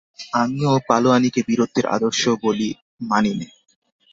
আমিও পালোয়ানিকে বীরত্বের আদর্শ বলে মানি নে।